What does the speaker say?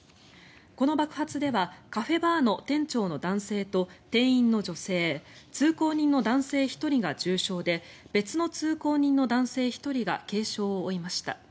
この爆発ではカフェバーの店長の男性と店員の女性通行人の男性１人が重傷で別の通行人の男性１人が軽傷を負いました。